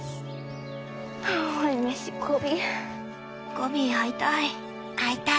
ゴビ会いたい。